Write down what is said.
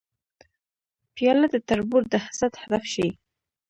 پیاله د تربور د حسد هدف شي.